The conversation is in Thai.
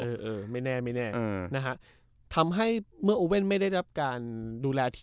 อยู่เออเออไม่แน่ไม่แน่อืมนะฮะทำให้เมื่อไม่ได้รับการดูแลที่